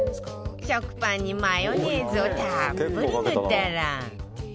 食パンにマヨネーズをたっぷり塗ったら